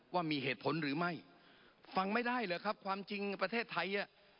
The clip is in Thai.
ว่ามีเหตุผลหรือไม่ฟังไม่ได้เหรอครับความจริงประเทศไทย